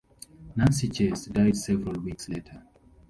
Nancy Chase died several weeks later.